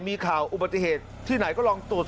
มีข่าวอุบัติเหตุที่ไหนก็ลองตรวจ